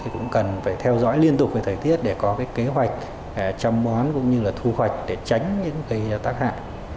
cũng cần phải theo dõi liên tục về thời tiết để có kế hoạch chăm bón thu hoạch để tránh những cây tác hại